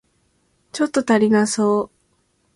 ちょっと足りなそう